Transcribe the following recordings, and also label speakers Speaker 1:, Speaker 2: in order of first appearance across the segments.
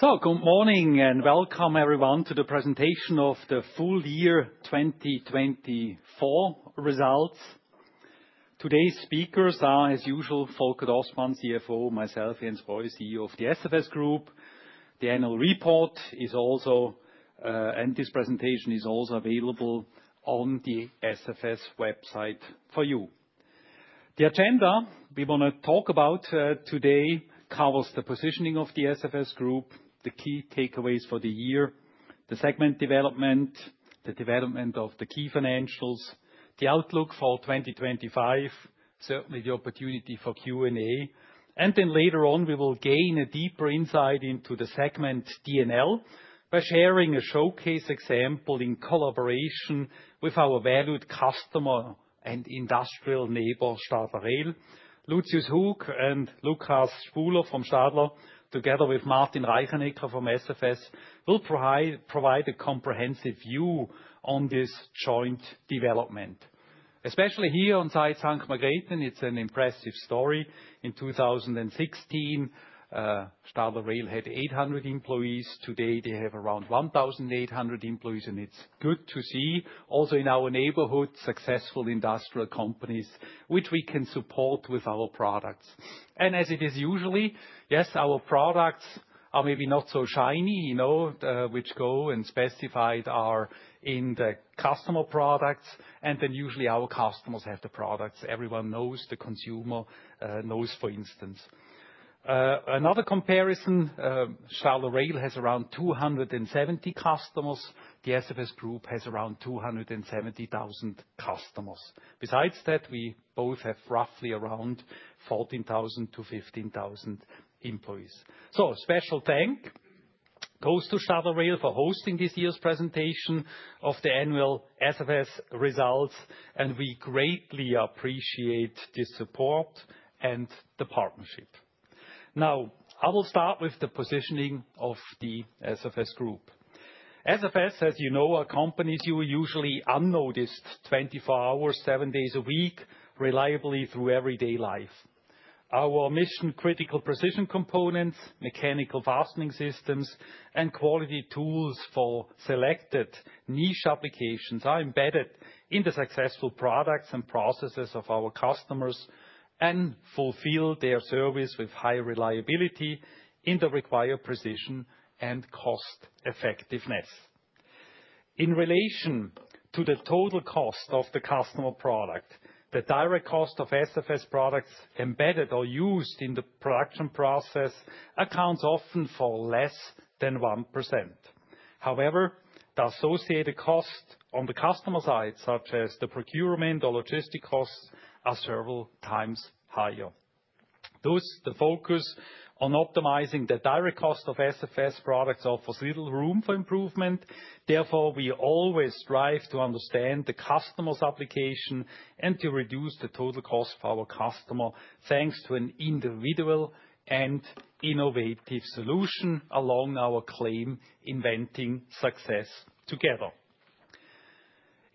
Speaker 1: Good morning and welcome everyone to the presentation of the Full Year 2024 Results. Today's speakers are, as usual, Volker Dostmann, CFO, myself, Jens Breu, CEO of the SFS Group. The annual report is also, and this presentation is also available on the SFS website for you. The agenda we want to talk about today covers the positioning of the SFS Group, the key takeaways for the year, the segment development, the development of the key financials, the outlook for 2025, certainly the opportunity for Q&A, and then later on, we will gain a deeper insight into the segment D&L by sharing a showcase example in collaboration with our valued customer and industrial neighbor, Stadler Rail. Lucius Gerig and Lucas Spuhler from Stadler, together with Martin Reichenecker from SFS, will provide a comprehensive view on this joint development. Especially here on site Sankt Margrethen, it's an impressive story. In 2016, Stadler Rail had 800 employees. Today, they have around 1,800 employees, and it's good to see. Also, in our neighborhood, successful industrial companies, which we can support with our products. And as it is usually, yes, our products are maybe not so shiny, you know, which go in and are specified in the customer products, and then usually our customers have the products. Everyone knows the consumer knows, for instance. Another comparison, Stadler Rail has around 270 customers. The SFS Group has around 270,000 customers. Besides that, we both have roughly around 14,000 to 15,000 employees. So, a special thanks goes to Stadler Rail for hosting this year's presentation of the annual SFS results, and we greatly appreciate the support and the partnership. Now, I will start with the positioning of the SFS Group. SFS, as you know, accompanies you usually unnoticed 24 hours, seven days a week, reliably through everyday life. Our mission-critical precision components, mechanical fastening systems, and quality tools for selected niche applications are embedded in the successful products and processes of our customers and fulfill their service with high reliability in the required precision and cost-effectiveness. In relation to the total cost of the customer product, the direct cost of SFS products embedded or used in the production process accounts often for less than 1%. However, the associated costs on the customer side, such as the procurement or logistic costs, are several times higher. Thus, the focus on optimizing the direct cost of SFS products offers little room for improvement. Therefore, we always strive to understand the customer's application and to reduce the total cost for our customer thanks to an individual and innovative solution along our claim inventing success together.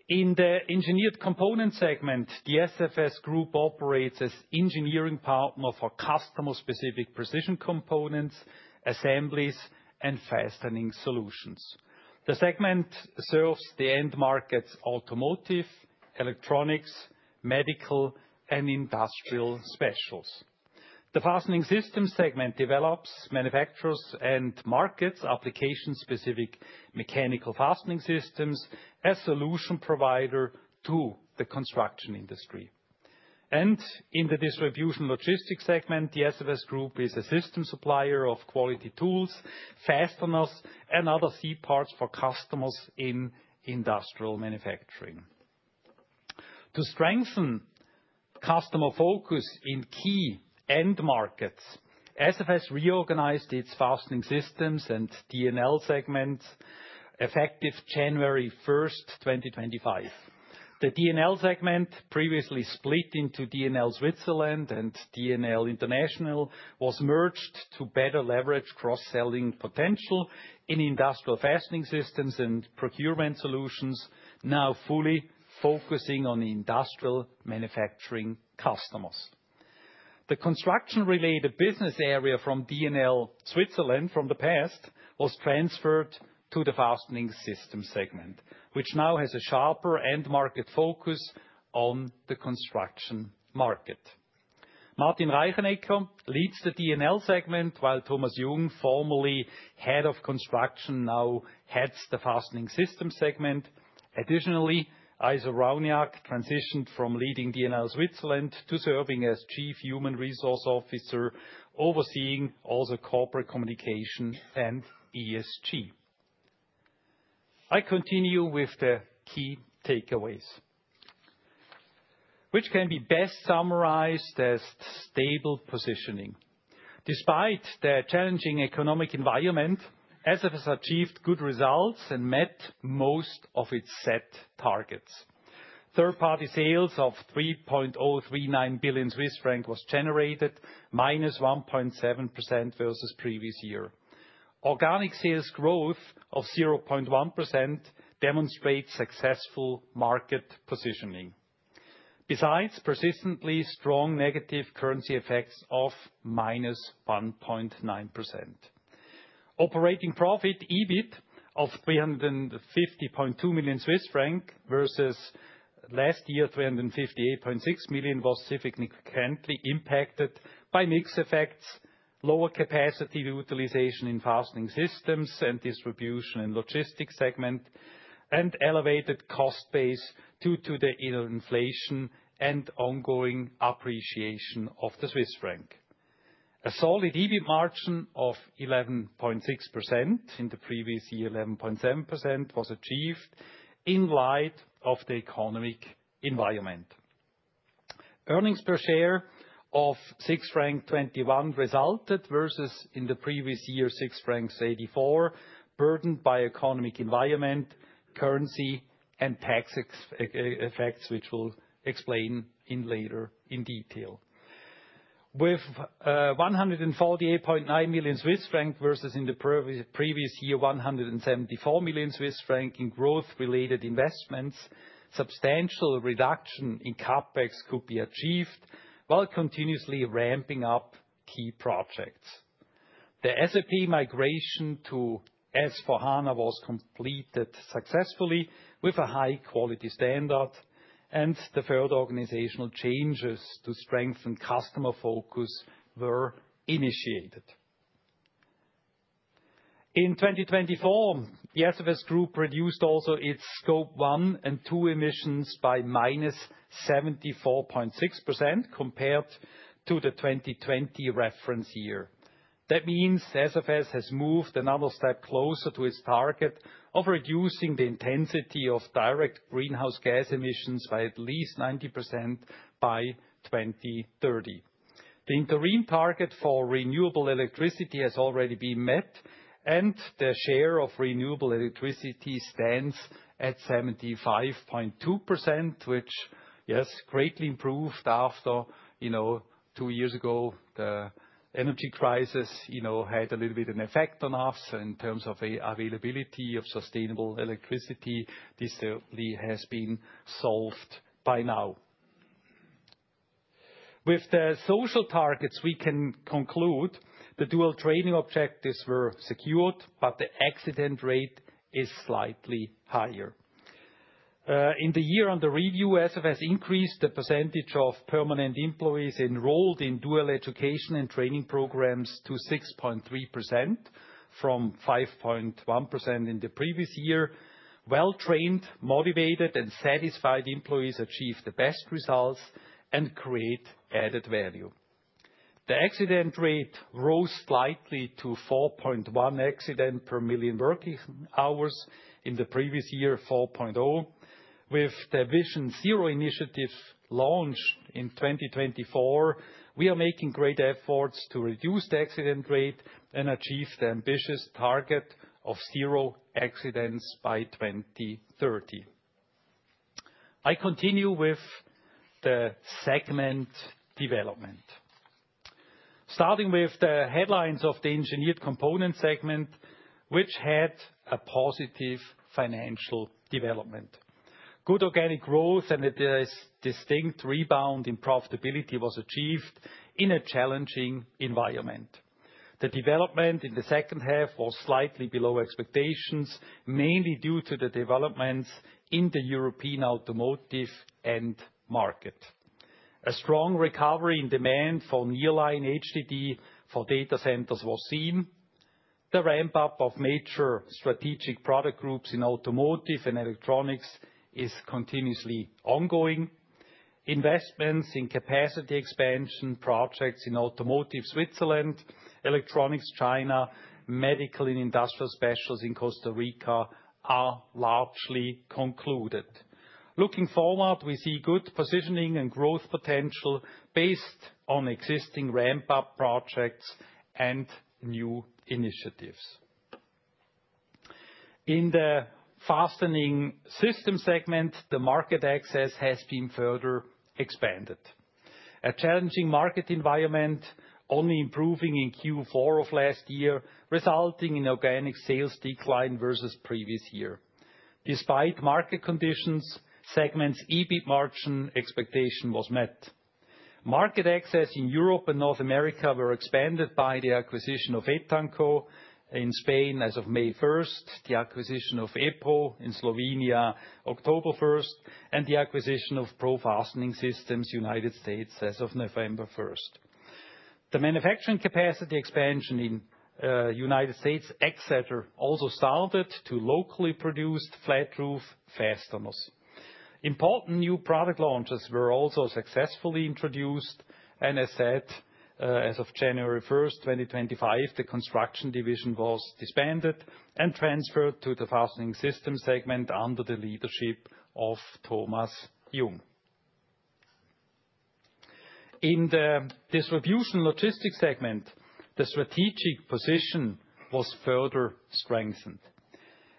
Speaker 1: In the Engineered Components segment, the SFS Group operates as an engineering partner for customer-specific precision components, assemblies, and fastening solutions. The segment serves the end markets automotive, electronics, medical, and industrial specials. The Fastening Systems segment develops, manufactures and markets application-specific mechanical fastening systems as a solution provider to the construction industry. In the Distribution & Logistics segment, the SFS Group is a system supplier of quality tools, fasteners, and other C-parts for customers in industrial manufacturing. To strengthen customer focus in key end markets, SFS reorganized its Fastening Systems and D&L segment effective January 1st, 2025. The D&L segment, previously split into D&L Switzerland and D&L International, was merged to better leverage cross-selling potential in industrial fastening systems and procurement solutions, now fully focusing on industrial manufacturing customers. The construction-related business area from D&L Switzerland from the past was transferred to the fastening systems segment, which now has a sharper end market focus on the construction market. Martin Reichenecker leads the D&L segment, while Thomas Jung, formerly head of construction, now heads the fastening systems segment. Additionally, Iso Raunjak transitioned from leading D&L Switzerland to serving as Chief Human Resources Officer, overseeing also corporate communication and ESG. I continue with the key takeaways, which can be best summarized as stable positioning. Despite the challenging economic environment, SFS achieved good results and met most of its set targets. Third-party sales of 3.039 billion Swiss francs were generated, -1.7% versus previous year. Organic sales growth of 0.1% demonstrates successful market positioning. Besides, persistently strong negative currency effects of -1.9%. Operating profit, EBIT, of 350.2 million Swiss franc versus last year's 358.6 million was significantly impacted by mix effects, lower capacity utilization in fastening systems and distribution and logistics segment, and elevated cost base due to the inflation and ongoing appreciation of the Swiss franc. A solid EBIT margin of 11.6% in the previous year, 11.7%, was achieved in light of the economic environment. Earnings per share of 6.21% resulted versus in the previous year, 6.84%, burdened by economic environment, currency, and tax effects, which we'll explain later in detail. With 148.9 million Swiss franc versus in the previous year, 174 million Swiss franc in growth-related investments, a substantial reduction in CapEx could be achieved while continuously ramping up key projects. The SAP migration to S/4HANA was completed successfully with a high-quality standard, and the further organizational changes to strengthen customer focus were initiated. In 2024, the SFS Group reduced also its Scope 1 and 2 emissions by -74.6% compared to the 2020 reference year. That means SFS has moved another step closer to its target of reducing the intensity of direct greenhouse gas emissions by at least 90% by 2030. The interim target for renewable electricity has already been met, and the share of renewable electricity stands at 75.2%, which, yes, greatly improved after, you know, two years ago, the energy crisis, you know, had a little bit of an effect on us in terms of availability of sustainable electricity. This certainly has been solved by now. With the social targets, we can conclude the dual training objectives were secured, but the accident rate is slightly higher. In the year under review, SFS increased the percentage of permanent employees enrolled in dual education and training programs to 6.3% from 5.1% in the previous year. Well-trained, motivated, and satisfied employees achieved the best results and create added value. The accident rate rose slightly to 4.1 accidents per million working hours from 4.0 in the previous year. With the Vision Zero initiative launched in 2024, we are making great efforts to reduce the accident rate and achieve the ambitious target of zero accidents by 2030. I continue with the segment development, starting with the headlines of the Engineered Components segment, which had a positive financial development. Good organic growth and a distinct rebound in profitability were achieved in a challenging environment. The development in the second half was slightly below expectations, mainly due to the developments in the European automotive end market. A strong recovery in demand for Nearline HDD for data centers was seen. The ramp-up of major strategic product groups in automotive and electronics is continuously ongoing. Investments in capacity expansion projects in automotive Switzerland, electronics China, medical and industrial specials in Costa Rica are largely concluded. Looking forward, we see good positioning and growth potential based on existing ramp-up projects and new initiatives. In the fastening systems segment, the market access has been further expanded. A challenging market environment, only improving in Q4 of last year, resulted in organic sales decline versus the previous year. Despite market conditions, segment's EBIT margin expectation was met. Market access in Europe and North America was expanded by the acquisition of Etanco in Spain as of May 1st, the acquisition of EPRO in Slovenia October 1st, and the acquisition of Pro Fastening Systems United States as of November 1st. The manufacturing capacity expansion in the United States, etc., also started to locally produce flat roof fasteners. Important new product launches were also successfully introduced. And as said, as of January 1st, 2025, the construction division was disbanded and transferred to the fastening systems segment under the leadership of Thomas Jung. In the distribution logistics segment, the strategic position was further strengthened.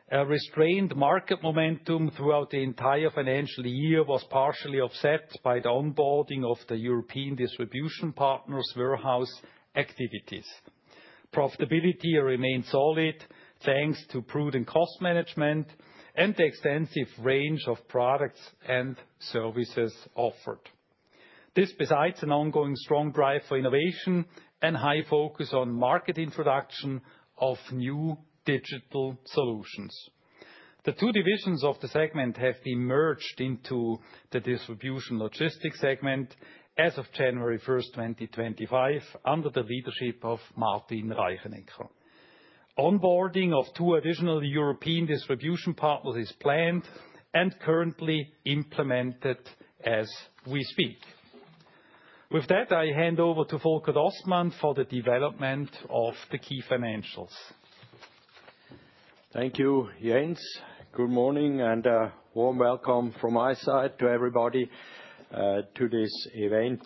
Speaker 1: A restrained market momentum throughout the entire financial year was partially offset by the onboarding of the European distribution partners' warehouse activities. Profitability remained solid thanks to prudent cost management and the extensive range of products and services offered. This, besides an ongoing strong drive for innovation and high focus on market introduction of new digital solutions. The two divisions of the segment have been merged into the distribution logistics segment as of January 1st, 2025, under the leadership of Martin Reichenecker. Onboarding of two additional European distribution partners is planned and currently implemented as we speak. With that, I hand over to Volker Dostmann for the development of the key financials.
Speaker 2: Thank you, Jens. Good morning and a warm welcome from my side to everybody to this event.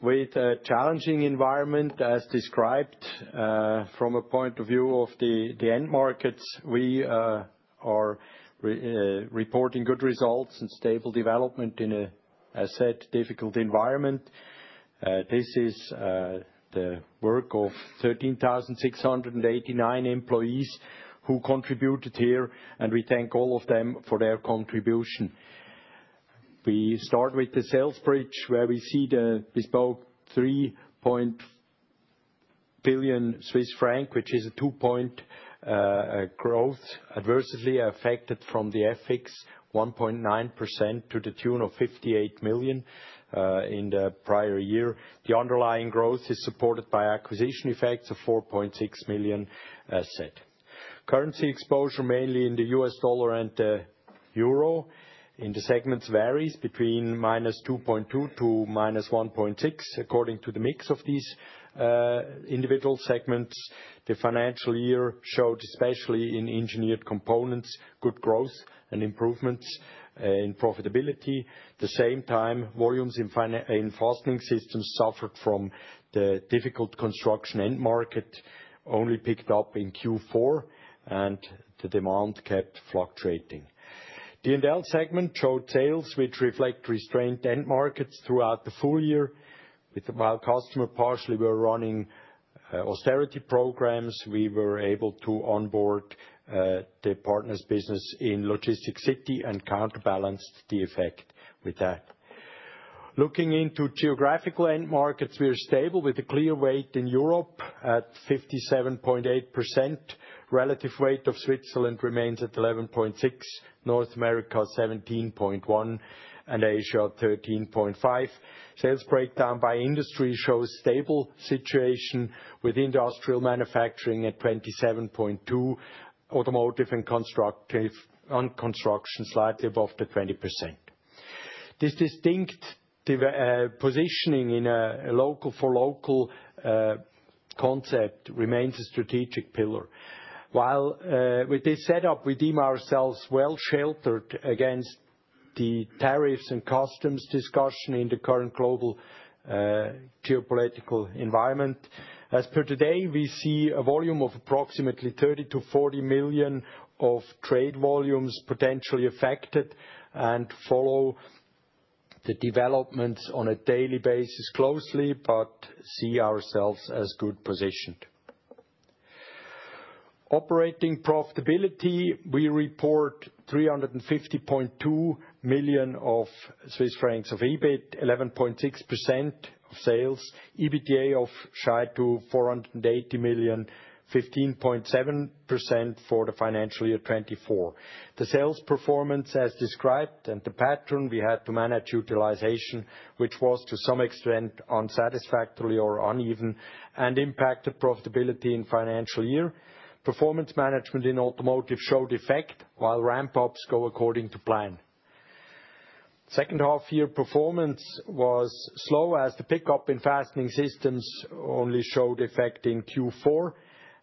Speaker 2: With a challenging environment, as described from a point of view of the end markets, we are reporting good results and stable development in a, as said, difficult environment. This is the work of 13,689 employees who contributed here, and we thank all of them for their contribution. We start with the sales bridge, where we see the booked 3.5 billion Swiss franc, which is a 2% growth, adversely affected from the FX 1.9% to the tune of 58 million in the prior year. The underlying growth is supported by acquisition effects of 4.6 million, as said. Currency exposure, mainly in the U.S. dollar and the euro, in the segments varies between -2.2 to -1.6, according to the mix of these individual segments. The financial year showed, especially in Engineered Components, good growth and improvements in profitability. At the same time, volumes in Fastening Systems suffered from the difficult construction end market, only picked up in Q4, and the demand kept fluctuating. The end-to-end segment showed sales, which reflect restrained end markets throughout the full year. While customers partially were running austerity programs, we were able to onboard the partners' business in Logistics City and counterbalanced the effect with that. Looking into geographical end markets, we are stable with a clear weight in Europe at 57.8%. Relative weight of Switzerland remains at 11.6%, North America 17.1%, and Asia 13.5%. Sales breakdown by industry shows a stable situation with industrial manufacturing at 27.2%, automotive and construction slightly above the 20%. This distinct positioning in a local-for-local concept remains a strategic pillar. While with this setup, we deem ourselves well sheltered against the tariffs and customs discussion in the current global geopolitical environment. As per today, we see a volume of approximately 30 to 40 million of trade volumes potentially affected and follow the developments on a daily basis closely, but see ourselves as well positioned. Operating profitability, we report 350.2 million of EBIT, 11.6% of sales, EBITDA of just shy of 480 million, 15.7% for the financial year 2024. The sales performance, as described, and the pattern we had to manage utilization, which was to some extent unsatisfactory or uneven and impacted profitability in financial year. Performance management in automotive showed effect, while ramp-ups go according to plan. Second half-year performance was slow, as the pickup in fastening systems only showed effect in Q4,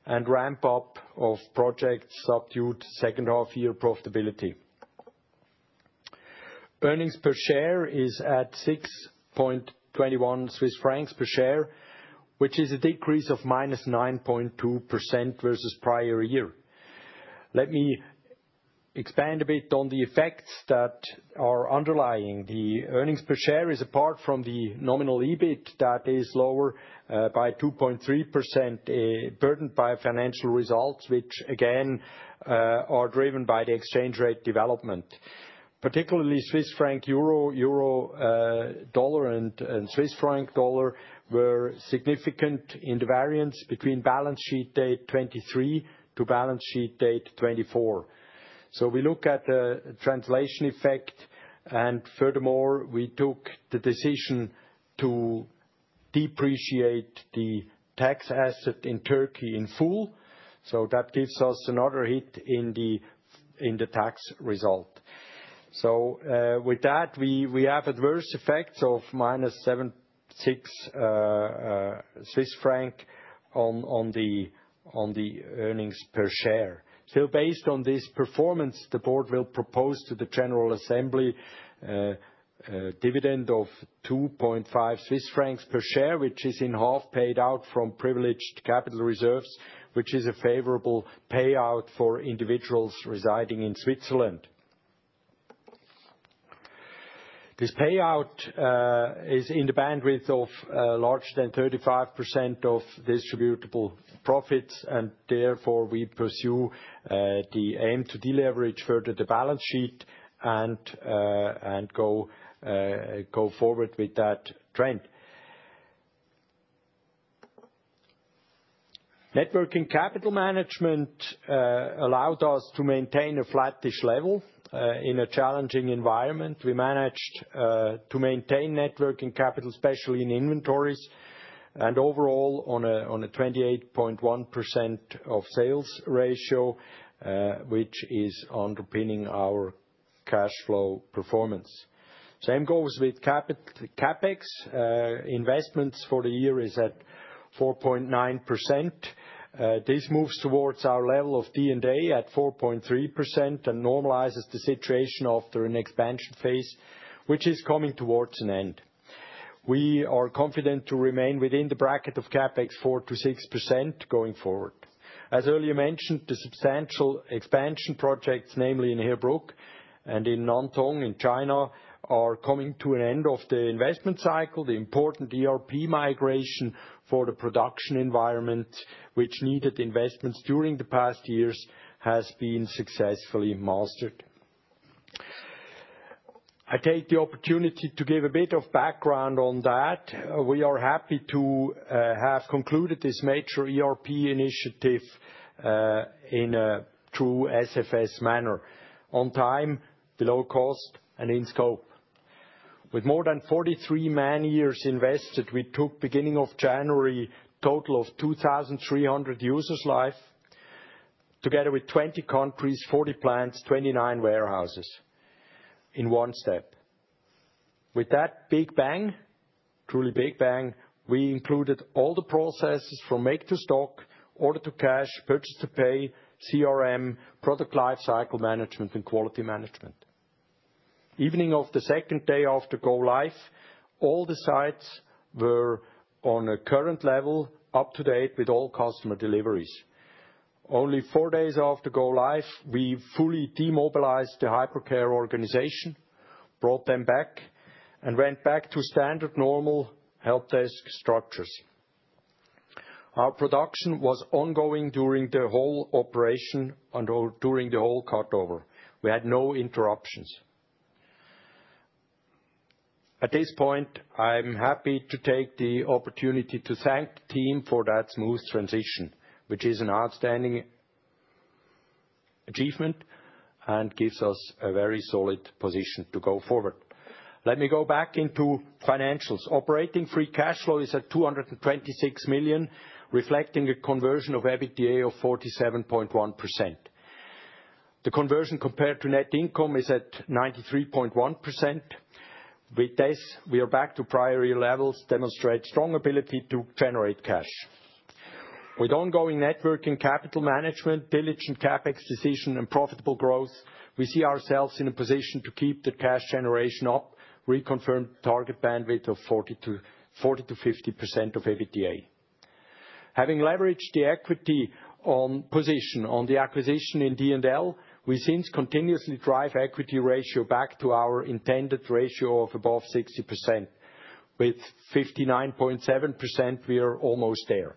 Speaker 2: and ramp-up of projects subdued second half-year profitability. Earnings per share is at 6.21 Swiss francs per share, which is a decrease of -9.2% versus prior year. Let me expand a bit on the effects that are underlying. The earnings per share is, apart from the nominal EBIT, that is lower by 2.3%, burdened by financial results, which again are driven by the exchange rate development. Particularly Swiss franc, euro, euro dollar, and Swiss franc dollar were significant in the variance between balance sheet date 2023 to balance sheet date 2024. We look at the translation effect, and furthermore, we took the decision to depreciate the tax asset in Turkey in full. That gives us another hit in the tax result. So with that, we have adverse effects of -76 Swiss franc on the earnings per share. Still, based on this performance, the board will propose to the General Assembly a dividend of 2.5 Swiss francs per share, which is in half paid out from privileged capital reserves, which is a favorable payout for individuals residing in Switzerland. This payout is in the bandwidth of larger than 35% of distributable profits, and therefore we pursue the aim to deleverage further the balance sheet and go forward with that trend. Net working capital management allowed us to maintain a flattish level in a challenging environment. We managed to maintain net working capital, especially in inventories, and overall on a 28.1% of sales ratio, which is underpinning our cash flow performance. Same goes with CapEx. Investments for the year is at 4.9%. This moves towards our level of D&A at 4.3% and normalizes the situation after an expansion phase, which is coming towards an end. We are confident to remain within the bracket of CapEx 4% to 6% going forward. As earlier mentioned, the substantial expansion projects, namely in Heerbrugg and in Nantong in China, are coming to an end of the investment cycle. The important ERP migration for the production environment, which needed investments during the past years, has been successfully mastered. I take the opportunity to give a bit of background on that. We are happy to have concluded this major ERP initiative in a true SFS manner, on time, below cost, and in scope. With more than 43 man-years invested, we took, beginning of January, a total of 2,300 users live, together with 20 countries, 40 plants, 29 warehouses in one step. With that big bang, truly big bang, we included all the processes from make to stock, order to cash, purchase to pay, CRM, product lifecycle management, and quality management. Evening of the second day after go-live, all the sites were on a current level, up to date with all customer deliveries. Only four days after go-live, we fully demobilized the hypercare organization, brought them back, and went back to standard normal help desk structures. Our production was ongoing during the whole operation and during the whole cutover. We had no interruptions. At this point, I'm happy to take the opportunity to thank the team for that smooth transition, which is an outstanding achievement and gives us a very solid position to go forward. Let me go back into financials. Operating free cash flow is at 226 million, reflecting a conversion of EBITDA of 47.1%. The conversion compared to net income is at 93.1%. With this, we are back to prior year levels, demonstrating strong ability to generate cash. With ongoing working capital management, diligent CapEx decision, and profitable growth, we see ourselves in a position to keep the cash generation up, reconfirmed target bandwidth of 40% to 50% of EBITDA. Having leveraged the equity position on the acquisition in D&L, we since continuously drive equity ratio back to our intended ratio of above 60%. With 59.7%, we are almost there.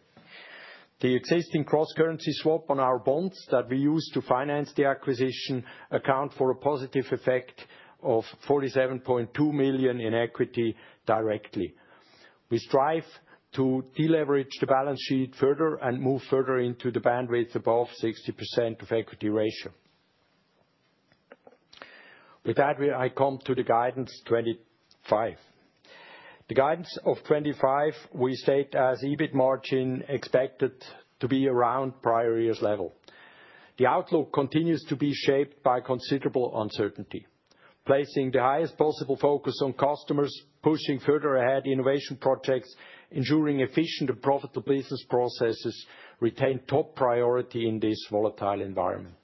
Speaker 2: The existing cross-currency swap on our bonds that we use to finance the acquisition accounts for a positive effect of 47.2 million in equity directly. We strive to deleverage the balance sheet further and move further into the bandwidth above 60% of equity ratio. With that, I come to the guidance 25. The guidance for 2025, we state as EBIT margin expected to be around prior year's level. The outlook continues to be shaped by considerable uncertainty, placing the highest possible focus on customers, pushing further ahead innovation projects, ensuring efficient and profitable business processes retain top priority in this volatile environment.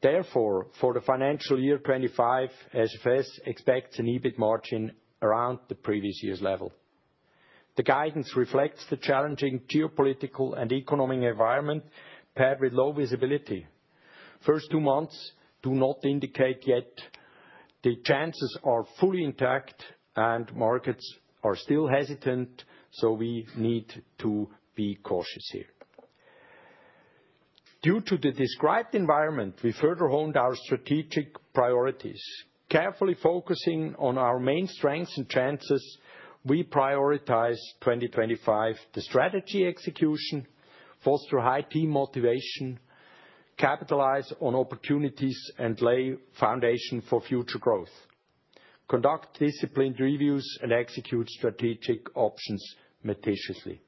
Speaker 2: Therefore, for the financial year 2025, SFS expects an EBIT margin around the previous year's level. The guidance reflects the challenging geopolitical and economic environment paired with low visibility. First two months do not indicate yet the chances are fully intact and markets are still hesitant, so we need to be cautious here. Due to the described environment, we further honed our strategic priorities. Carefully focusing on our main strengths and chances, we prioritize 2025, the strategy execution, foster high team motivation, capitalize on opportunities, and lay foundation for future growth. Conduct disciplined reviews and execute strategic options meticulously.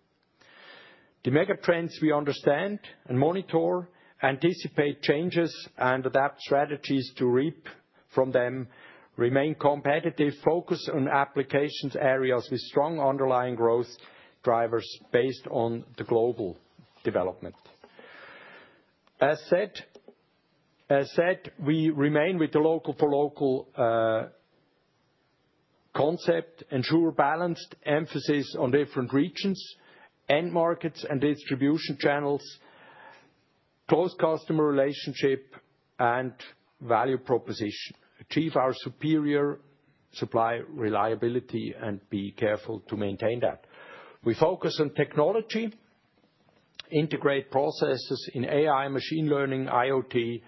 Speaker 2: The mega trends we understand and monitor, anticipate changes and adapt strategies to reap from them, remain competitive, focus on applications areas with strong underlying growth drivers based on the global development. As said, we remain with the local-for-local concept, ensure balanced emphasis on different regions, end markets, and distribution channels, close customer relationship, and value proposition, achieve our superior supply reliability, and be careful to maintain that. We focus on technology, integrate processes in AI, machine learning, IoT,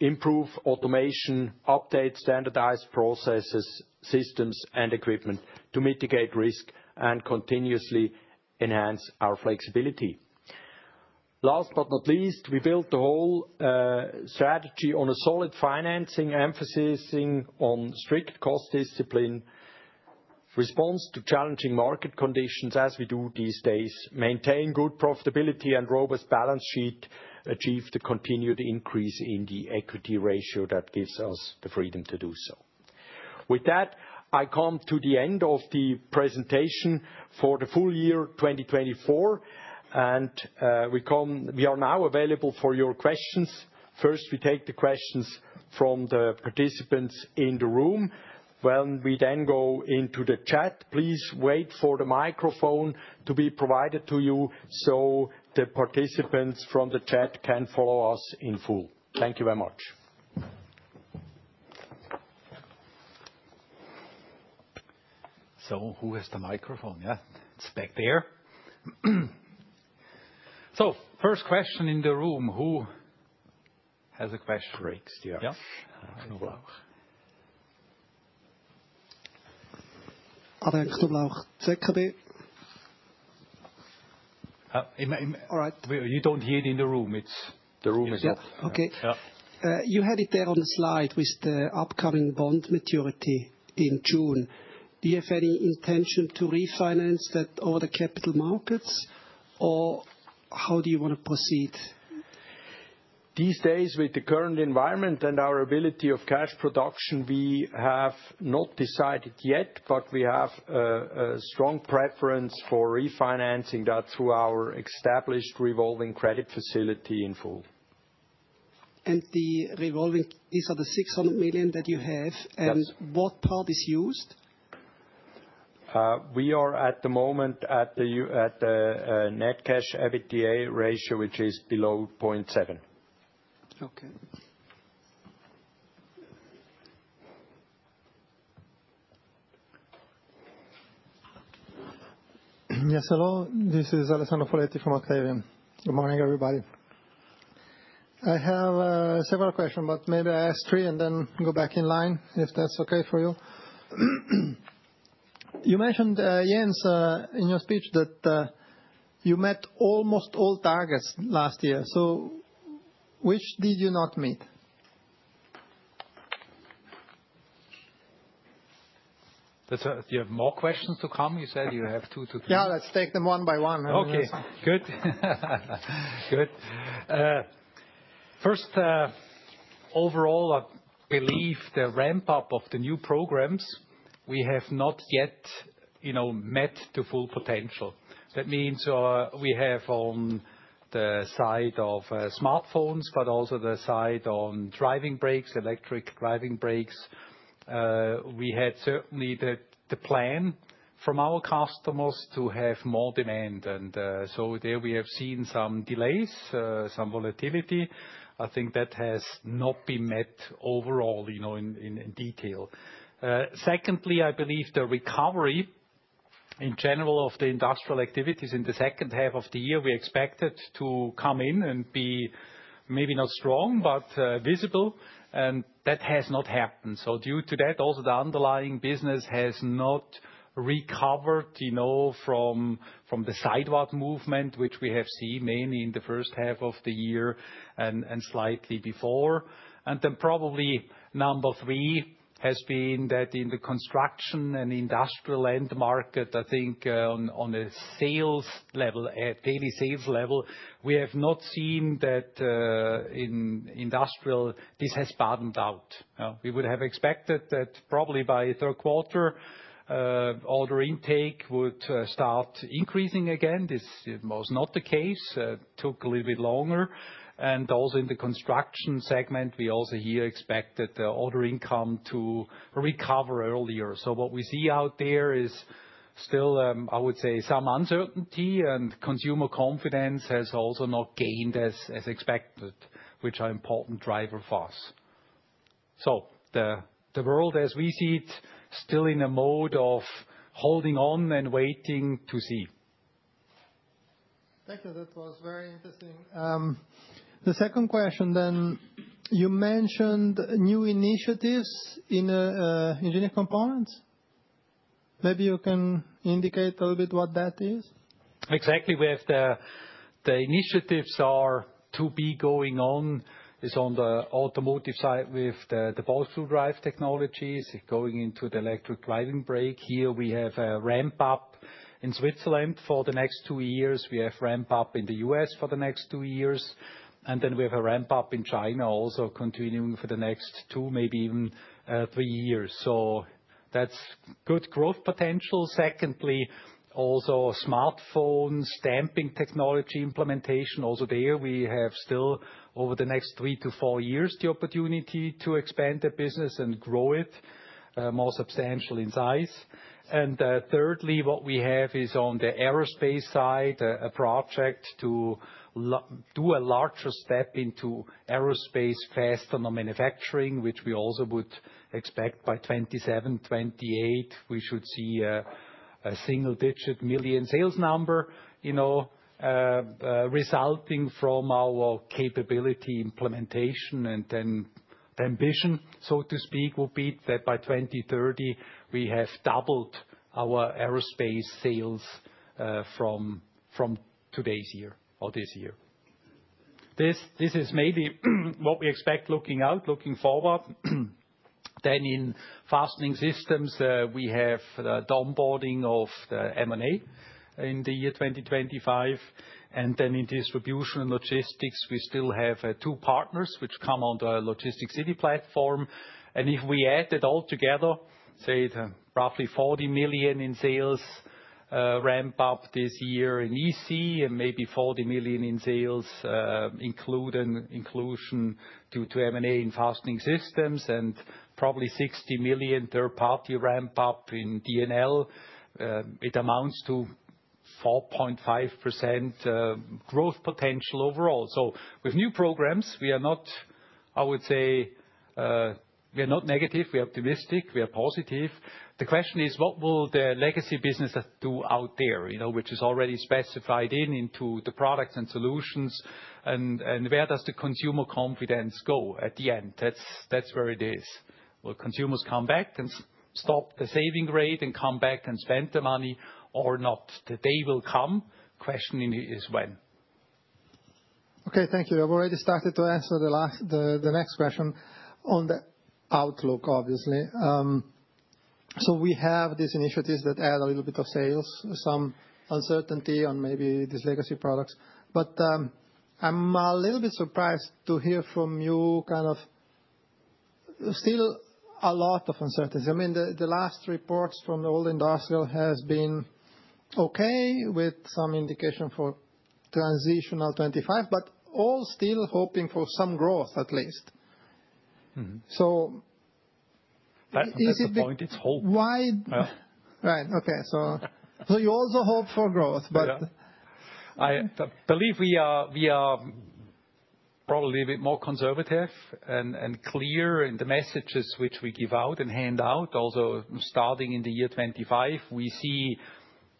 Speaker 2: improve automation, update standardized processes, systems, and equipment to mitigate risk and continuously enhance our flexibility. Last but not least, we build the whole strategy on a solid financing, emphasizing on strict cost discipline, response to challenging market conditions as we do these days, maintain good profitability, and robust balance sheet achieve the continued increase in the equity ratio that gives us the freedom to do so. With that, I come to the end of the presentation for the full year 2024, and we are now available for your questions. First, we take the questions from the participants in the room. When we then go into the chat, please wait for the microphone to be provided to you so the participants from the chat can follow us in full. Thank you very much. So who has the microphone? Yeah, it's back there.
Speaker 1: So first question in the room, who has a question? ZKB. All right. You don't hear it in the room. The room is open. Okay. You had it there on the slide with the upcoming bond maturity in June. Do you have any intention to refinance that over the capital markets, or how do you want to proceed?
Speaker 2: These days, with the current environment and our ability of cash production, we have not decided yet, but we have a strong preference for refinancing that through our established revolving credit facility in full. And the revolving, these are the 600 million that you have, and what part is used? We are at the moment at the net cash EBITDA ratio, which is below 0.7. Okay.
Speaker 3: Yes, hello, this is Alessandro Foletti from Octavian. Good morning, everybody. I have several questions, but maybe I ask three and then go back in line if that's okay for you. You mentioned, Jens, in your speech that you met almost all targets last year. So which did you not meet?
Speaker 1: Do you have more questions to come? You said you have two to three.
Speaker 3: Yeah, let's take them one by one.
Speaker 1: Okay, good. Good. First, overall, I believe the ramp-up of the new programs we have not yet met to full potential. That means we have on the side of smartphones, but also the side on driving brakes, electric driving brakes. We had certainly the plan from our customers to have more demand, and so there we have seen some delays, some volatility. I think that has not been met overall in detail. Secondly, I believe the recovery in general of the industrial activities in the second half of the year we expected to come in and be maybe not strong, but visible, and that has not happened. So due to that, also the underlying business has not recovered from the slowdown, which we have seen mainly in the first half of the year and slightly before. Then probably number three has been that in the construction and industrial end market, I think on a sales level, daily sales level, we have not seen that in industrial this has bottomed out. We would have expected that probably by Q3, order intake would start increasing again. This was not the case. It took a little bit longer. Also in the construction segment, we also here expected the order intake to recover earlier. So what we see out there is still, I would say, some uncertainty, and consumer confidence has also not gained as expected, which are important drivers for us. So the world, as we see it, is still in a mode of holding on and waiting to see.
Speaker 3: Thank you. That was very interesting. The second question then, you mentioned new initiatives in engineering components. Maybe you can indicate a little bit what that is.
Speaker 1: Exactly. The initiatives are to be going on is on the automotive side with the bolster drive technologies going into the electric driving brake. Here we have a ramp-up in Switzerland for the next two years. We have ramp-up in the U.S. for the next two years. And then we have a ramp-up in China also continuing for the next two, maybe even three years. So that's good growth potential. Secondly, also smartphone stamping technology implementation. Also there, we have still over the next three to four years the opportunity to expand the business and grow it more substantially in size. Thirdly, what we have is on the aerospace side, a project to do a larger step into aerospace fastening on the manufacturing, which we also would expect by 2027, 2028, we should see a single-digit million sales number resulting from our capability implementation and then ambition, so to speak, would be that by 2030, we have doubled our aerospace sales from today's year or this year. This is maybe what we expect looking out, looking forward. In Fastening Systems, we have the onboarding of the M&A in the year 2025. In Distribution and Logistics, we still have two partners which come on the Logistics City platform. If we add that all together, say roughly 40 million in sales ramp-up this year in EC and maybe 40 million in sales, including inclusion due to M&A in fastening systems and probably 60 million third-party ramp-up in D&L. It amounts to 4.5% growth potential overall. With new programs, we are not, I would say, we are not negative. We are optimistic. We are positive. The question is, what will the legacy business do out there, which is already specified into the products and solutions? And where does the consumer confidence go at the end? That's where it is. Will consumers come back and stop the saving rate and come back and spend the money or not? The day will come. The question is when.
Speaker 3: Okay, thank you. I've already started to answer the next question on the outlook, obviously. So we have these initiatives that add a little bit of sales, some uncertainty on maybe these legacy products. But I'm a little bit surprised to hear from you kind of still a lot of uncertainty. I mean, the last reports from the overall industrial have been okay with some indication for transition in 2025, but all still hoping for some growth at least. So is it.
Speaker 1: That's the point. It's hope.
Speaker 3: Right. Okay. So you also hope for growth, but.
Speaker 1: I believe we are probably a bit more conservative and clear in the messages which we give out and hand out. Also starting in the year 2025, we see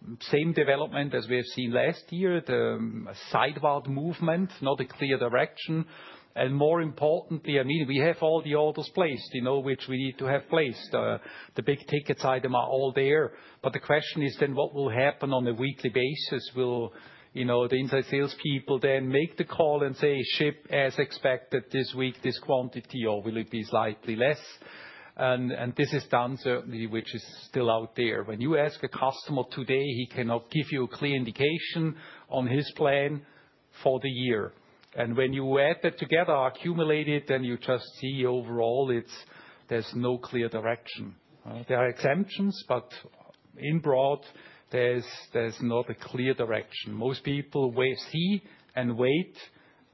Speaker 1: the same development as we have seen last year, the sideways movement, not a clear direction. And more importantly, I mean, we have all the orders placed, which we need to have placed. The big ticket items are all there. But the question is then what will happen on a weekly basis? Will the inside salespeople then make the call and say, "Ship as expected this week, this quantity," or will it be slightly less? And this is done, certainly, which is still out there. When you ask a customer today, he cannot give you a clear indication on his plan for the year. And when you add that together, accumulate it, then you just see overall there's no clear direction. There are exceptions, but in broad, there's not a clear direction. Most people sit and wait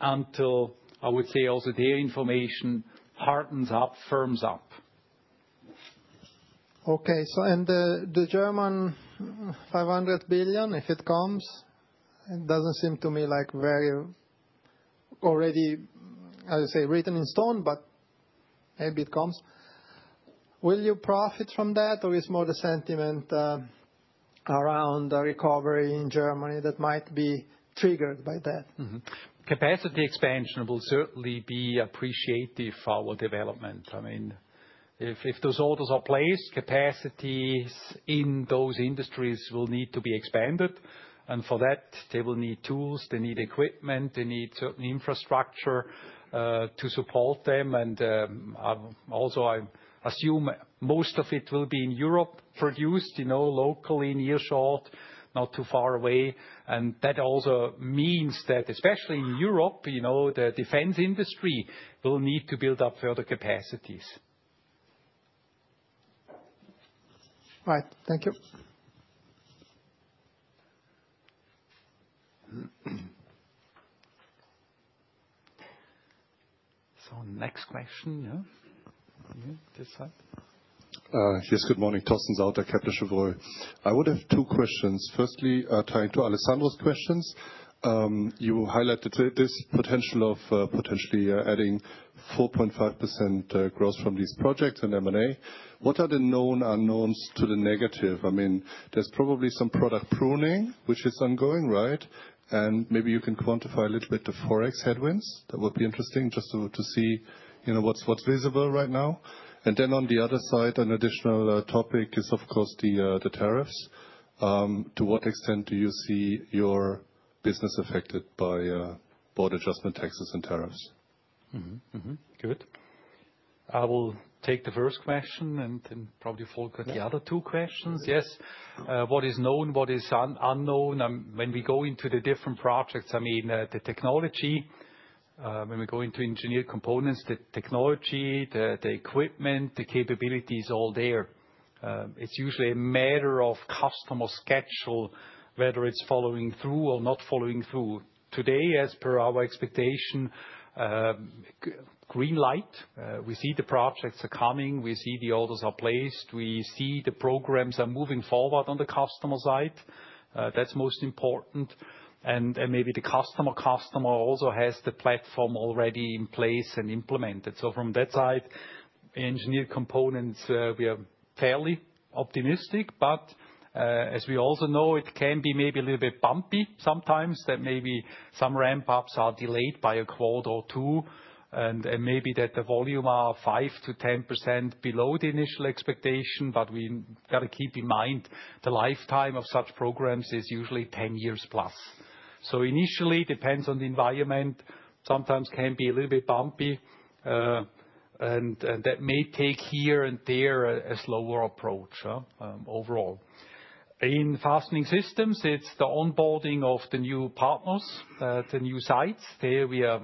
Speaker 1: until, I would say, also their information hardens up, firms up.
Speaker 3: Okay. And the German 500 billion, if it comes, it doesn't seem to me like it's very already, I would say, written in stone, but maybe it comes. Will you profit from that, or is more the sentiment around recovery in Germany that might be triggered by that?
Speaker 1: Capacity expansion will certainly be appreciative of our development. I mean, if those orders are placed, capacities in those industries will need to be expanded. And for that, they will need tools, they need equipment, they need certain infrastructure to support them. And also, I assume most of it will be in Europe produced, locally nearshore, not too far away. And that also means that, especially in Europe, the defense industry will need to build up further capacities.
Speaker 3: Right. Thank you.
Speaker 1: So next question. This side.
Speaker 4: Yes, good morning. Torsten Sauter, Kepler Cheuvreux. I would have two questions. Firstly, tying to Alessandro's questions, you highlighted this potential of potentially adding 4.5% growth from these projects and M&A. What are the known unknowns to the negative? I mean, there's probably some product pruning, which is ongoing, right? And maybe you can quantify a little bit the forex headwinds. That would be interesting just to see what's visible right now. And then on the other side, an additional topic is, of course, the tariffs. To what extent do you see your business affected by border adjustment taxes and tariffs?
Speaker 1: Good. I will take the first question and then probably follow with the other two questions. Yes. What is known, what is unknown? When we go into the different projects, I mean, the technology, when we go into engineered components, the technology, the equipment, the capability is all there. It's usually a matter of customer schedule, whether it's following through or not following through. Today, as per our expectation, green light. We see the projects are coming. We see the orders are placed. We see the programs are moving forward on the customer side. That's most important. And maybe the customer also has the platform already in place and implemented. So from that side, engineered components, we are fairly optimistic, but as we also know, it can be maybe a little bit bumpy sometimes that maybe some ramp-ups are delayed by a quarter or two. And maybe that the volume are 5% to 10% below the initial expectation, but we got to keep in mind the lifetime of such programs is usually 10 years plus. So initially, it depends on the environment. Sometimes can be a little bit bumpy. And that may take here and there a slower approach overall. In fastening systems, it's the onboarding of the new partners, the new sites. There we are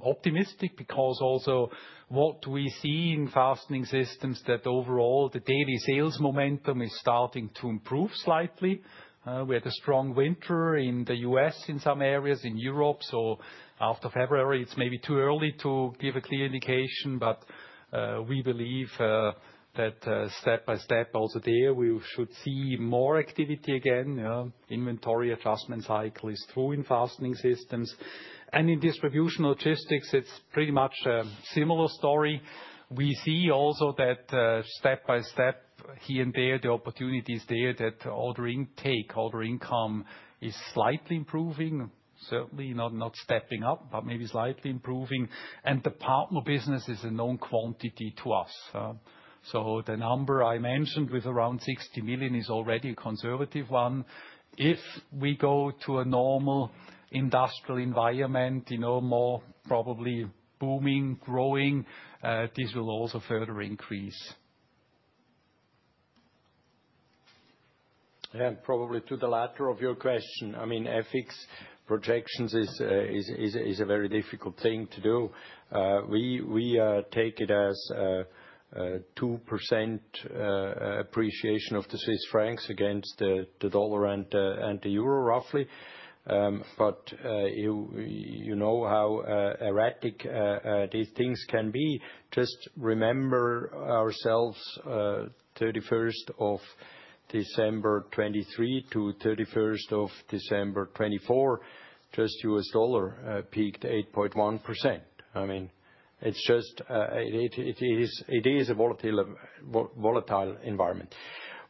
Speaker 1: optimistic because also what we see in fastening systems that overall the daily sales momentum is starting to improve slightly. We had a strong winter in the U.S. in some areas, in Europe. So after February, it's maybe too early to give a clear indication, but we believe that step by step also there we should see more activity again. Inventory adjustment cycle is through in fastening systems. And in distribution logistics, it's pretty much a similar story. We see also that step by step here and there, the opportunity is there that order intake, order inflow is slightly improving. Certainly not stepping up, but maybe slightly improving. And the partner business is a known quantity to us. So the number I mentioned with around 60 million is already a conservative one. If we go to a normal industrial environment, more probably booming, growing, this will also further increase,
Speaker 2: and probably to the latter of your question, I mean, FX projections is a very difficult thing to do. We take it as 2% appreciation of the CHF against the USD and the EUR roughly. But you know how erratic these things can be. Just remember, from December 31st, 2023 to December 31st, 2024, just the USD peaked 8.1%. I mean, it is a volatile environment.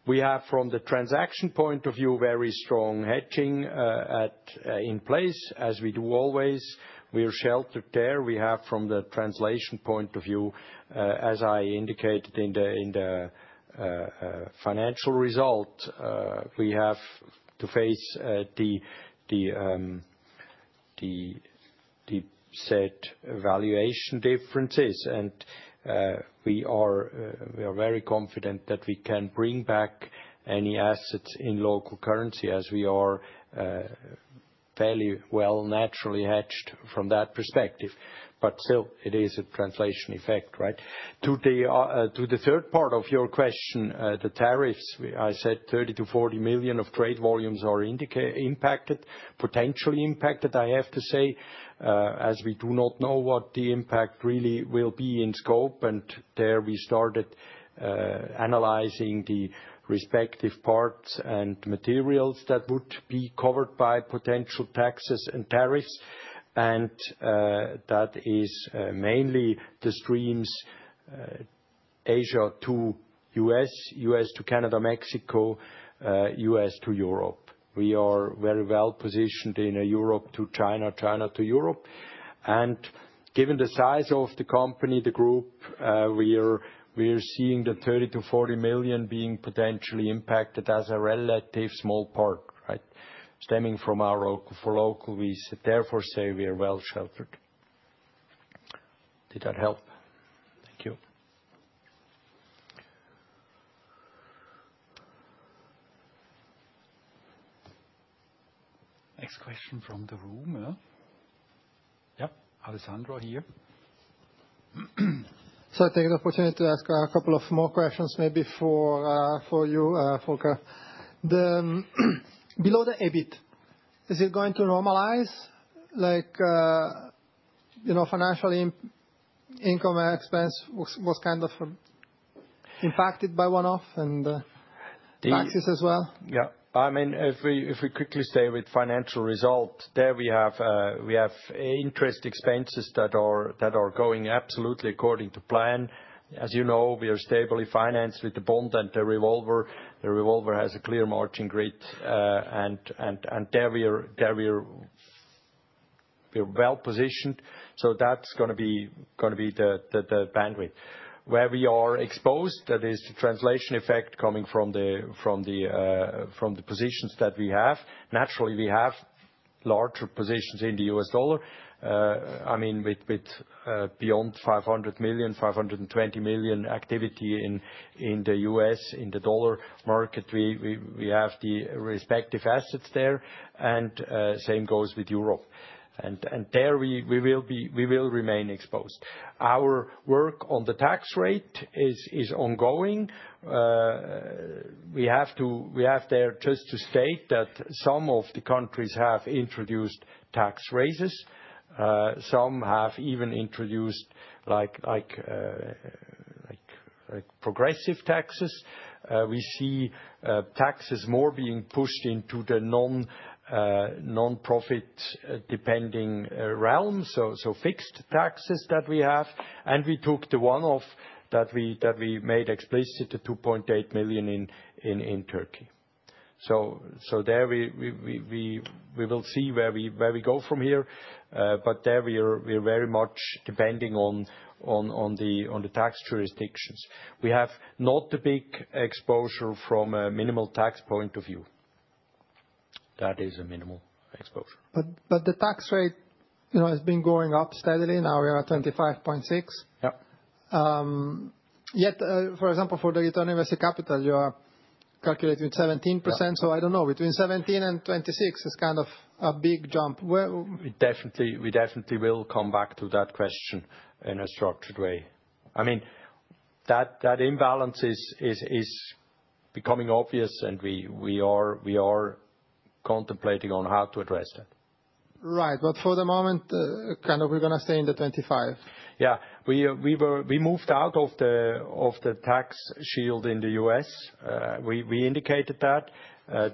Speaker 2: We have from the transaction point of view very strong hedging in place, as we do always. We are sheltered there. We have from the translation point of view, as I indicated in the financial result, we have to face the said valuation differences. And we are very confident that we can bring back any assets in local currency as we are fairly well naturally hedged from that perspective. But still, it is a translation effect, right? To the third part of your question, the tariffs, I said 30 to 40 million of trade volumes are impacted, potentially impacted, I have to say, as we do not know what the impact really will be in scope. And that is mainly the streams Asia to U.S., U.S. to Canada, Mexico, U.S. to Europe. We are very well positioned in Europe to China, China to Europe. And given the size of the company, the group, we are seeing the 30 to 40 million being potentially impacted as a relatively small part, right?
Speaker 1: Stemming from our local-for-local basis, therefore we say we are well sheltered. Did that help?
Speaker 4: Thank you.
Speaker 1: Next question from the room.
Speaker 3: Yep. Alessandro here. So I take the opportunity to ask a couple of more questions maybe for you, Volker. Below the EBIT, is it going to normalize? Financial income and expense, what's kind of impacted by one-off and taxes as well?
Speaker 2: Yeah. I mean, if we quickly stay with financial result, there we have interest expenses that are going absolutely according to plan. As you know, we are stably financed with the bond and the revolver. The revolver has a clear margin grid. And there we are well positioned. So that's going to be the bandwidth. Where we are exposed, that is the translation effect coming from the positions that we have. Naturally, we have larger positions in the U.S. dollar. I mean, with beyond $500 million, $520 million activity in the U.S., in the dollar market, we have the respective assets there, and same goes with Europe, and there we will remain exposed. Our work on the tax rate is ongoing. We have there just to state that some of the countries have introduced tax raises. Some have even introduced progressive taxes. We see taxes more being pushed into the non-profit depending realm, so fixed taxes that we have, and we took the one-off that we made explicit to 2.8 million in Turkey. So there we will see where we go from here, but there we are very much depending on the tax jurisdictions. We have not the big exposure from a minimal tax point of view. That is a minimal exposure.
Speaker 3: But the tax rate has been going up steadily. Now we are at 25.6%. Yet, for example, for the return on invested capital, you are calculating 17%. So I don't know, between 17% and 26% is kind of a big jump?
Speaker 2: We definitely will come back to that question in a structured way. I mean, that imbalance is becoming obvious and we are contemplating on how to address that. Right.
Speaker 3: But for the moment, kind of we're going to stay in the 25%.
Speaker 2: Yeah. We moved out of the tax shield in the U.S. We indicated that.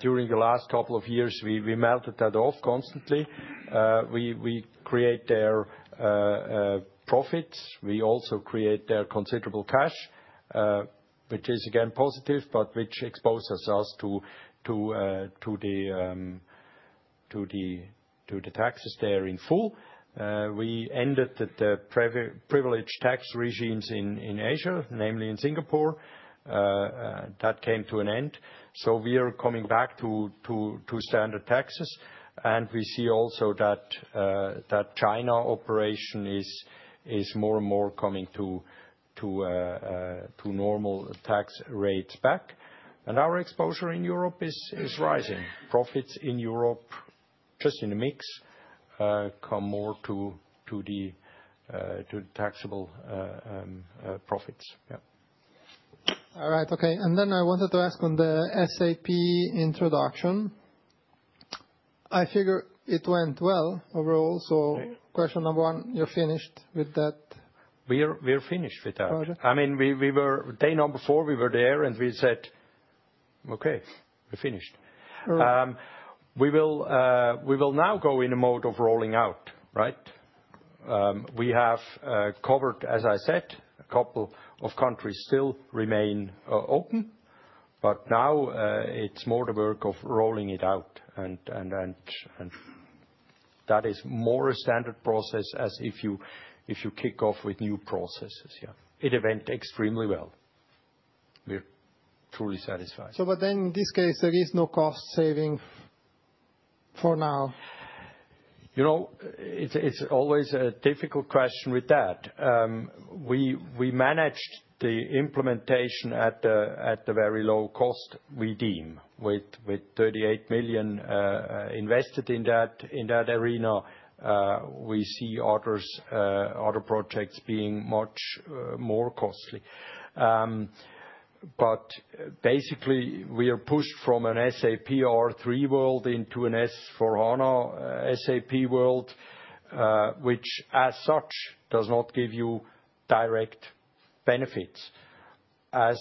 Speaker 2: During the last couple of years, we melted that off constantly. We create their profits. We also create their considerable cash, which is again positive, but which exposes us to the taxes there in full. We ended the privileged tax regimes in Asia, namely in Singapore. That came to an end. So we are coming back to standard taxes. And we see also that China operation is more and more coming to normal tax rates back. And our exposure in Europe is rising. Profits in Europe, just in a mix, come more to the taxable profits. Yeah.
Speaker 3: All right. Okay. And then I wanted to ask on the SAP introduction. I figure it went well overall. So question number one, you're finished with that?
Speaker 2: We are finished with that. I mean, day number four, we were there and we said, "Okay, we're finished." We will now go in a mode of rolling out, right? We have covered, as I said, a couple of countries still remain open. But now it's more the work of rolling it out. And that is more a standard process as if you kick off with new processes. Yeah. It went extremely well. We're truly satisfied.
Speaker 3: So but then in this case, there is no cost saving for now.
Speaker 2: You know, it's always a difficult question with that. We managed the implementation at the very low cost we deem. With 38 million invested in that arena, we see other projects being much more costly. But basically, we are pushed from an SAP R3 world into an S/4HANA SAP world, which as such does not give you direct benefits. As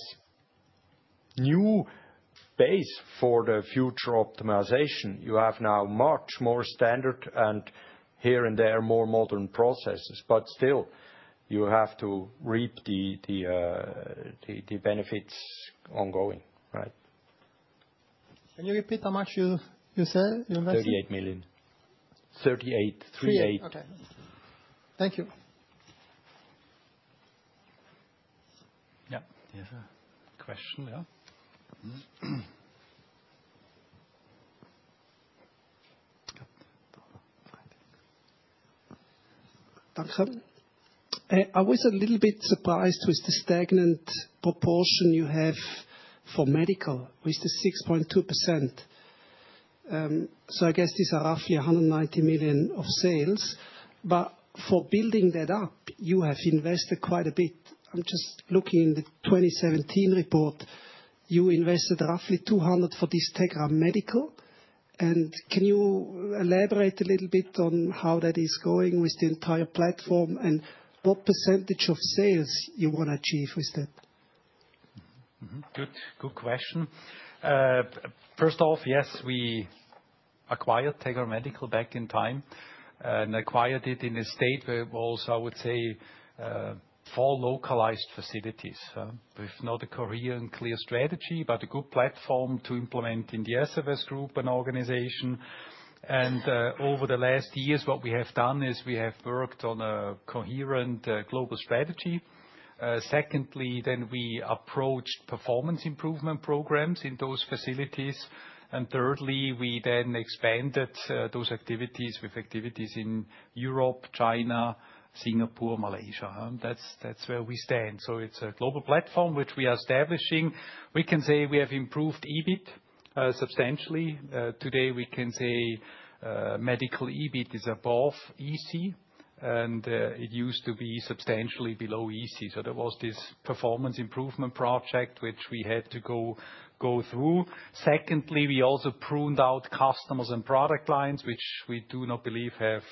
Speaker 2: new base for the future optimization, you have now much more standard and here and there more modern processes. But still, you have to reap the benefits ongoing, right?
Speaker 3: Can you repeat how much you say?
Speaker 2: 38 million. 38, 38.
Speaker 3: Okay. Thank you.
Speaker 2: Yeah. There's a question, yeah? Doctor, I was a little bit surprised with the stagnant proportion you have for medical, with the 6.2%. So I guess these are roughly 190 million of sales. But for building that up, you have invested quite a bit. I'm just looking in the 2017 report, you invested roughly 200 million for this Tegra Medical. And can you elaborate a little bit on how that is going with the entire platform and what percentage of sales you want to achieve with that?
Speaker 1: Good question. First off, yes, we acquired Tegra Medical back in time and acquired it in a state where also, I would say, four localized facilities. We've not a coherent clear strategy, but a good platform to implement in the SFS Group and organization. And over the last years, what we have done is we have worked on a coherent global strategy. Secondly, then we approached performance improvement programs in those facilities. And thirdly, we then expanded those activities with activities in Europe, China, Singapore, Malaysia. That's where we stand. It's a global platform which we are establishing. We can say we have improved EBIT substantially. Today, we can say medical EBIT is above EC and it used to be substantially below EC. There was this performance improvement project which we had to go through. Secondly, we also pruned out customers and product lines, which we do not believe have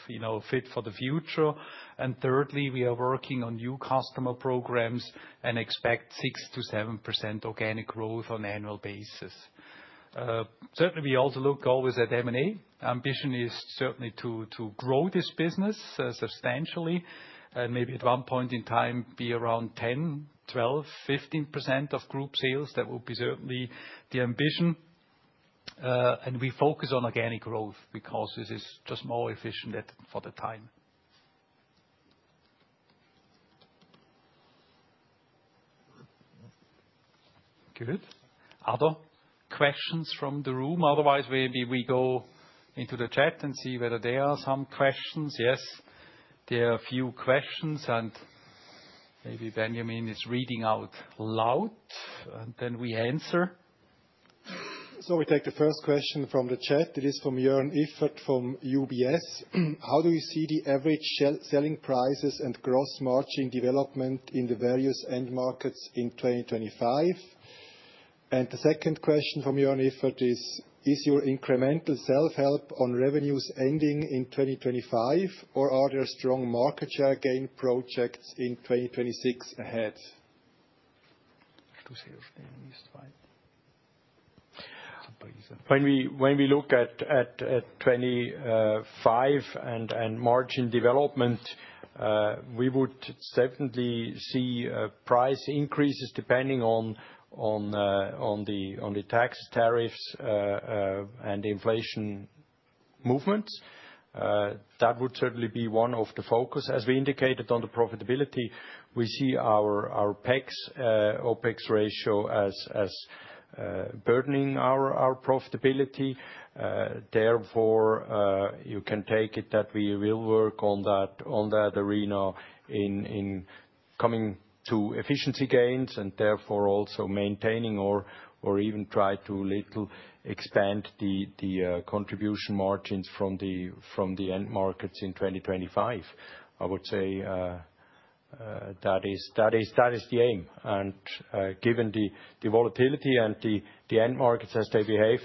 Speaker 1: fit for the future. And thirdly, we are working on new customer programs and expect 6% to 7% organic growth on an annual basis. Certainly, we also look always at M&A. Ambition is certainly to grow this business substantially and maybe at one point in time, be around 10%, 12%, 15% of group sales. That will be certainly the ambition. And we focus on organic growth because this is just more efficient for the time. Good. Other questions from the room? Otherwise, maybe we go into the chat and see whether there are some questions. Yes, there are a few questions. And maybe Benjamin is reading out loud and then we answer.
Speaker 5: So we take the first question from the chat. It is from Joern Iffert from UBS. How do you see the average selling prices and gross margin development in the various end markets in 2025? And the second question from Joern Iffert is, is your incremental self-help on revenues ending in 2025, or are there strong market share gain projects in 2026 ahead?
Speaker 2: When we look at 2025 and margin development, we would certainly see price increases depending on the tax tariffs and inflation movements. That would certainly be one of the focuses. As we indicated on the profitability, we see our OPEX ratio as burdening our profitability. Therefore, you can take it that we will work on that area in coming to efficiency gains and therefore also maintaining or even try to little expand the contribution margins from the end markets in 2025. I would say that is the aim. Given the volatility and the end markets as they behave,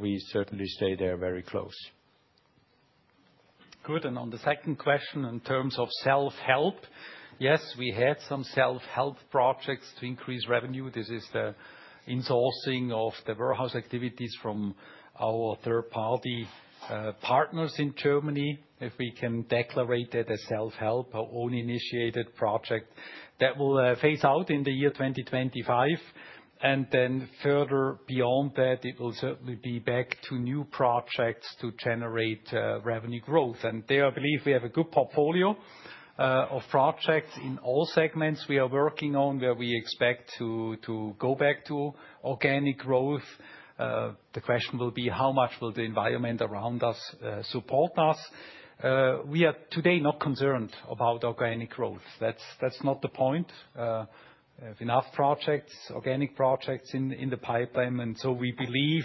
Speaker 2: we certainly stay there very close.
Speaker 1: Good. On the second question in terms of self-help, yes, we had some self-help projects to increase revenue. This is the insourcing of the warehouse activities from our third-party partners in Germany. If we can declare that as self-help, our own-initiated project, that will phase out in the year 2025. Then further beyond that, it will certainly be back to new projects to generate revenue growth. There I believe we have a good portfolio of projects in all segments we are working on where we expect to go back to organic growth. The question will be how much will the environment around us support us. We are today not concerned about organic growth. That's not the point. We have enough projects, organic projects in the pipeline. We believe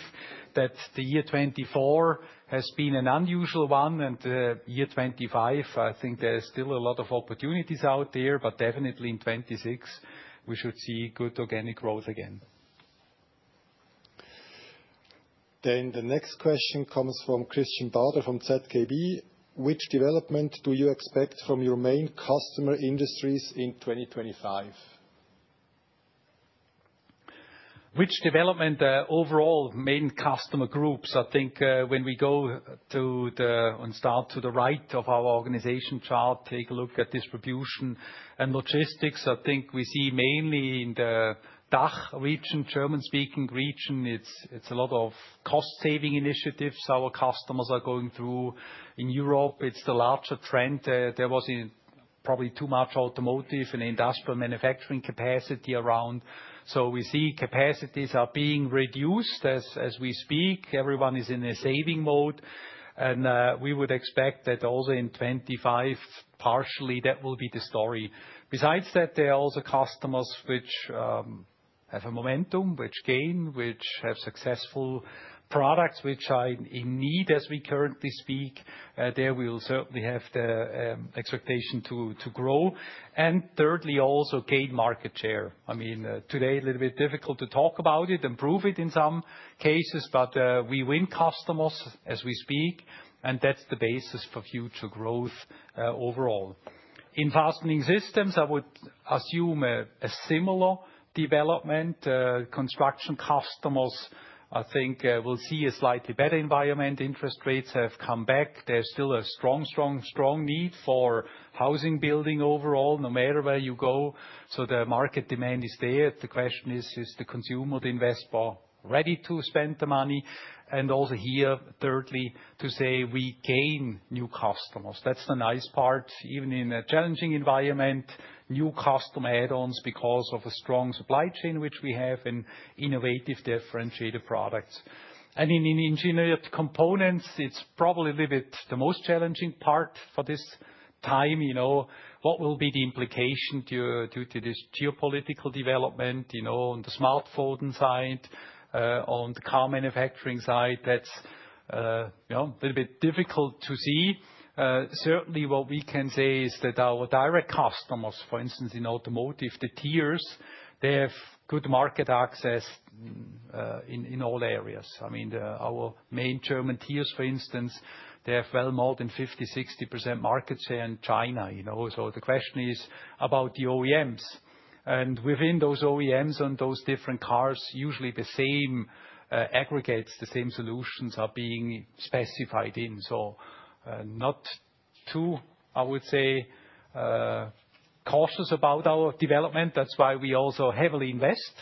Speaker 1: that the year 2024 has been an unusual one. Year 2025, I think there's still a lot of opportunities out there. Definitely in 2026, we should see good organic growth again.
Speaker 5: The next question comes from Christian Bauder from ZKB. Which development do you expect from your main customer industries in 2025?
Speaker 1: Which development overall main customer groups? I think when we go to the end and start to the right of our organization chart, take a look at distribution and logistics. I think we see mainly in the DACH region, German-speaking region. It's a lot of cost-saving initiatives our customers are going through. In Europe, it's the larger trend. There was probably too much automotive and industrial manufacturing capacity around, so we see capacities are being reduced as we speak. Everyone is in a saving mode, and we would expect that also in 2025, partially. That will be the story. Besides that, there are also customers which have a momentum, which gain, which have successful products, which are in need as we currently speak. There we will certainly have the expectation to grow, and thirdly, also gain market share. I mean, today a little bit difficult to talk about it and prove it in some cases, but we win customers as we speak, and that's the basis for future growth overall. In fastening systems, I would assume a similar development. Construction customers, I think, will see a slightly better environment. Interest rates have come back. There's still a strong, strong, strong need for housing building overall, no matter where you go. So the market demand is there. The question is, is the consumer, the investor, ready to spend the money? And also here, thirdly, to say we gain new customers. That's the nice part. Even in a challenging environment, new customer add-ons because of a strong supply chain, which we have in innovative differentiated products. And in engineered components, it's probably a little bit the most challenging part for this time. What will be the implication due to this geopolitical development on the smartphone side, on the car manufacturing side? That's a little bit difficult to see. Certainly, what we can say is that our direct customers, for instance, in automotive, the tiers, they have good market access in all areas. I mean, our main German tiers, for instance, they have well more than 50-60% market share in China. So the question is about the OEMs. And within those OEMs and those different cars, usually the same aggregates, the same solutions are being specified in. So not too, I would say, cautious about our development. That's why we also heavily invest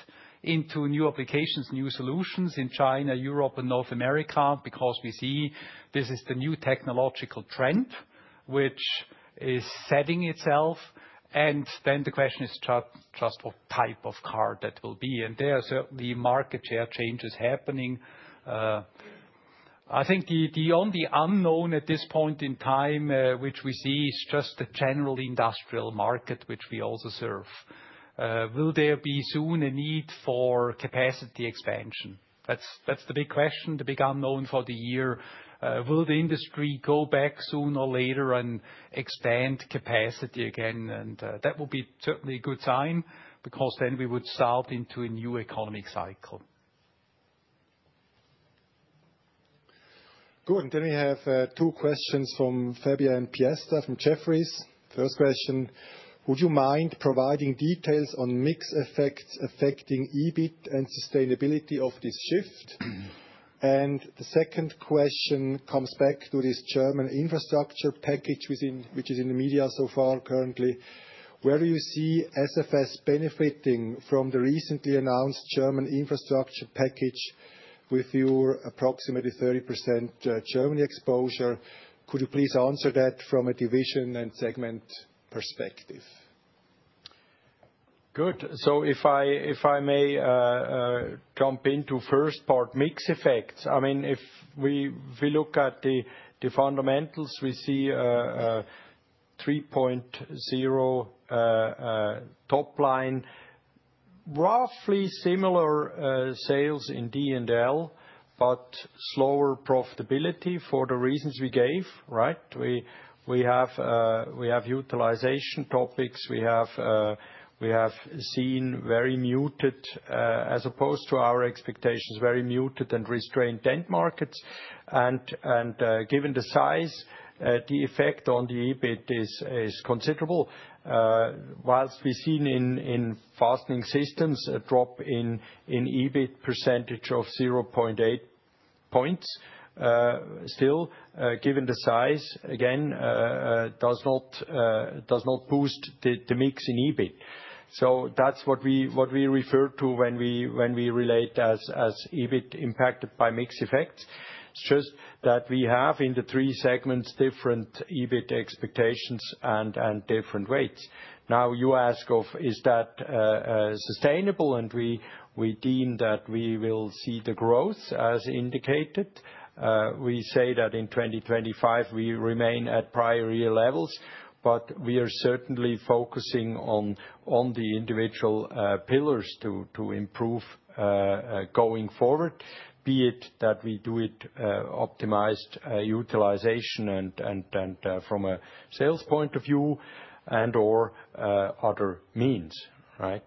Speaker 1: into new applications, new solutions in China, Europe, and North America because we see this is the new technological trend which is setting itself. And then the question is just what type of car that will be. And there are certainly market share changes happening. I think the only unknown at this point in time, which we see, is just the general industrial market, which we also serve. Will there be soon a need for capacity expansion? That's the big question, the big unknown for the year. Will the industry go back soon or later and expand capacity again? And that will be certainly a good sign because then we would start into a new economic cycle.
Speaker 5: Good. Then we have two questions from Fabian Piasta from Jefferies. First question, would you mind providing details on mixed effects affecting EBIT and sustainability of this shift? And the second question comes back to this German infrastructure package, which is in the media so far currently. Where do you see SFS benefiting from the recently announced German infrastructure package with your approximately 30% Germany exposure? Could you please answer that from a division and segment perspective?
Speaker 2: Good. So if I may jump into first part, mixed effects. I mean, if we look at the fundamentals, we see 3.0 top line, roughly similar sales in D&L, but slower profitability for the reasons we gave, right? We have utilization topics. We have seen very muted, as opposed to our expectations, very muted and restrained end markets. And given the size, the effect on the EBIT is considerable. While we've seen in fastening systems a drop in EBIT percentage of 0.8 points, still, given the size, again, does not boost the mix in EBIT. So that's what we refer to when we relate as EBIT impacted by mixed effects. It's just that we have in the three segments different EBIT expectations and different weights. Now you ask of is that sustainable, and we deem that we will see the growth as indicated. We say that in 2025, we remain at prior year levels, but we are certainly focusing on the individual pillars to improve going forward, be it that we do it optimized utilization and from a sales point of view and/or other means, right?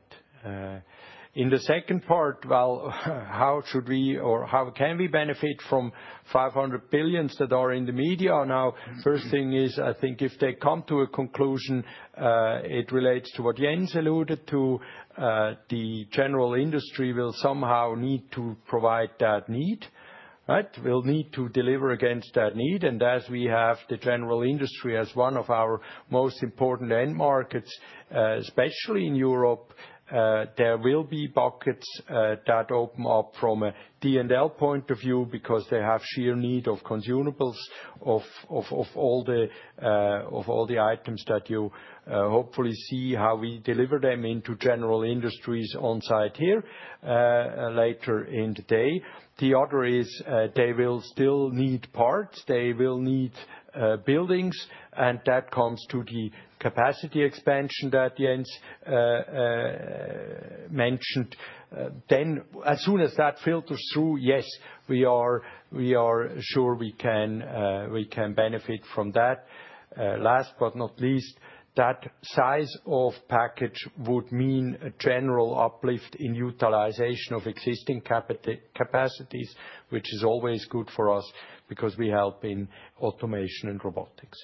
Speaker 2: In the second part, well, how should we or how can we benefit from 500 billion that are in the media? Now, first thing is, I think if they come to a conclusion, it relates to what Jens alluded to. The general industry will somehow need to provide that need, right? We'll need to deliver against that need. As we have the general industry as one of our most important end markets, especially in Europe, there will be buckets that open up from a D&L point of view because they have sheer need of consumables, of all the items that you hopefully see how we deliver them into general industries on site here later in the day. The other is they will still need parts. They will need buildings. And that comes to the capacity expansion that Jens mentioned. Then as soon as that filters through, yes, we are sure we can benefit from that. Last but not least, that size of package would mean a general uplift in utilization of existing capacities, which is always good for us because we help in automation and robotics.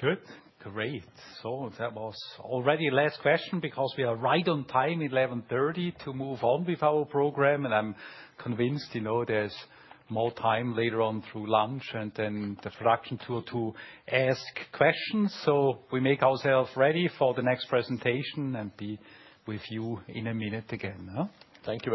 Speaker 2: Good. Great. So that was already the last question because we are right on time, 11:30 A.M., to move on with our program. And I'm convinced there's more time later on through lunch and then the production tour to ask questions. So we make ourselves ready for the next presentation and be with you in a minute again. Thank you.